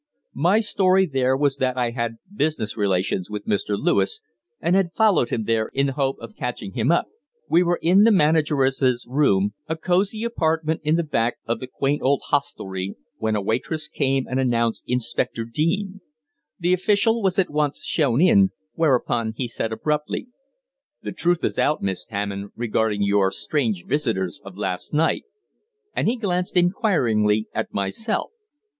My story there was that I had business relations with Mr. Lewis, and had followed him there in the hope of catching him up. We were in the manageress's room, a cosy apartment in the back of the quaint old hostelry, when a waitress came and announced Inspector Deane. The official was at once shown in, whereupon he said abruptly "The truth is out, Miss Hammond, regarding your strange visitors of last night." And he glanced inquiringly at myself.